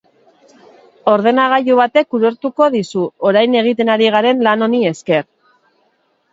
Ordenagailu batek ulertuko dizu, orain egiten ari garen lan honi esker.